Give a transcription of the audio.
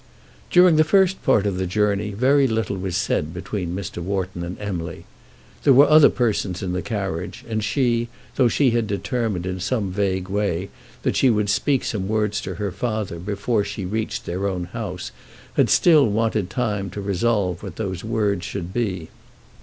During the first part of the journey very little was said between Mr. Wharton and Emily. There were other persons in the carriage, and she, though she had determined in some vague way that she would speak some words to her father before she reached their own house, had still wanted time to resolve what those words should be.